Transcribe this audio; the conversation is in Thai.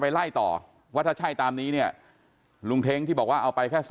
ไล่ต่อว่าถ้าใช่ตามนี้เนี่ยลุงเท้งที่บอกว่าเอาไปแค่